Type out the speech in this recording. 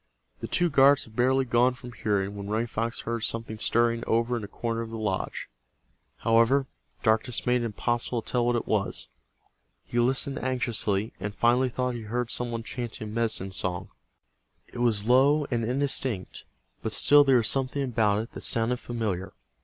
The two guards had barely gone from hearing when Running Fox heard something stirring over in a corner of the lodge. However, darkness made it impossible to tell what it was. He listened anxiously, and finally thought he heard some one chanting a medicine song. It was low and indistinct, but still there was something about it that sounded familiar.